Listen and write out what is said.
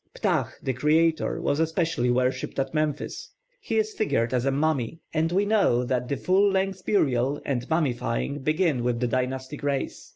+Ptah+ the creator was especially worshipped at Memphis. He is figured as a mummy; and we know that full length burial and mummifying begin with the dynastic race.